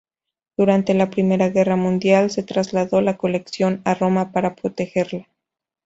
Durante la Primera Guerra Mundial, se trasladó la colección a Roma para protegerla.